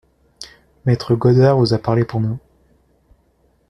Maître Godard vous a parlé pour nous…